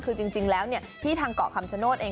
คือจริงแล้วที่ทางเกาะคำชโนธเอง